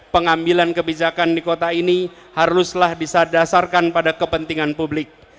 pengambilan kebijakan di kota ini haruslah bisa dasarkan pada kepentingan publik